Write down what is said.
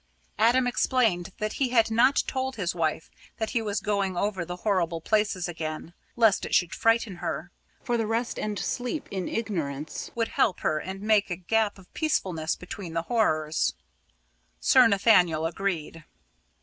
Adam explained that he had not told his wife that he was going over the horrible places again, lest it should frighten her, for the rest and sleep in ignorance would help her and make a gap of peacefulness between the horrors. Sir Nathaniel agreed.